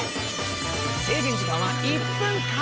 制限時間は１分間。